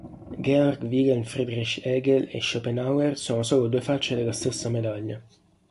Georg Wilhelm Friedrich Hegel e Schopenhauer sono solo due facce della stessa medaglia.